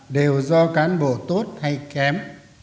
đều do cán bộ tốt hay kém